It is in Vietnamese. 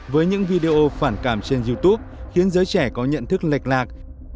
với những video phản cảm trên youtube khiến giới trẻ có nhận thức lệch lạc